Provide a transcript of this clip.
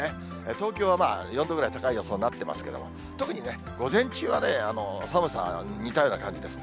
東京は４度ぐらい高い予想になってますけれども、特にね、午前中は寒さ似たような感じです。